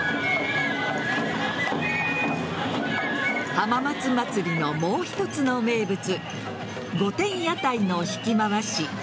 浜松まつりのもう一つの名物御殿屋台の引き回し。